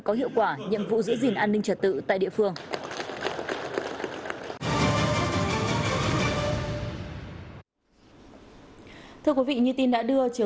chủ trì buổi lễ